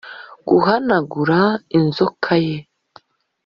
guhanagura inzoka ye,